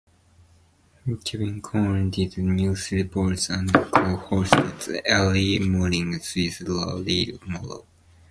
Kevin Coan did news reports and co-hosted early mornings with Larry Morrow.